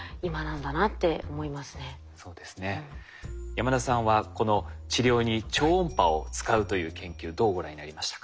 山田さんはこの治療に超音波を使うという研究どうご覧になりましたか？